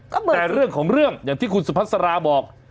แต่เรื่องของเรื่องอย่างที่คุณสุภาษาราบอก